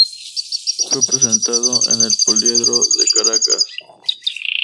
Fue presentado en el Poliedro de Caracas.